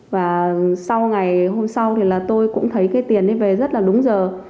và sau ngày hôm sau thì là tôi cũng thấy cái tiền ấy về rất là đúng giờ